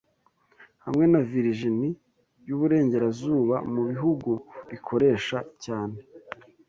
hamwe na Virginie y’Iburengerazuba mu bihugu bikoresha cyane